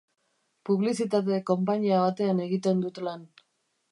Publizitate konpainia batean egiten dut lan.